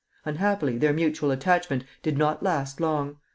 Unhappily their mutual attachment did not last long.